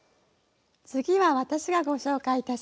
次は私がご紹介いたします。